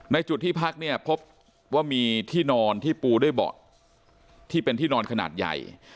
จุดที่พักเนี่ยพบว่ามีที่นอนที่ปูด้วยเบาะที่เป็นที่นอนขนาดใหญ่